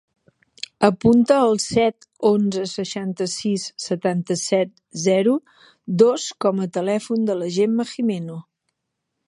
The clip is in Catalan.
Apunta el set, onze, seixanta-sis, setanta-set, zero, dos com a telèfon de la Gemma Gimeno.